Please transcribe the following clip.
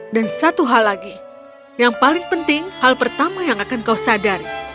dan satu hal lagi yang paling penting hal pertama yang akan kau sadari